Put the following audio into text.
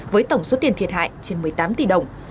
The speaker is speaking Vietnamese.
với tổng số tiền thiệt hại trên một mươi tám tỷ đồng